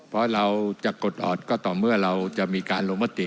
เพราะเราจะกดออดก็ต่อเมื่อเราจะมีการลงมติ